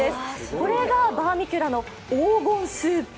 これがバーミキュラの黄金スープ。